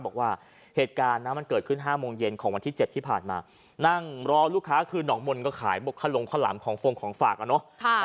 บอกว่าเหตุการณ์นะมันเกิดขึ้น๕โมงเย็นของวันที่๗ที่ผ่านมานั่งรอลูกค้าคือหนองมนต์ก็ขายบุคคลงข้าวหลามของฟงของฝากแล้วเนอะ